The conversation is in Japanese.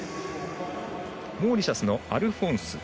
モーリシャスのアルフォンス。